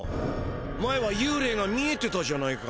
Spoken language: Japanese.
前はゆうれいが見えてたじゃないか。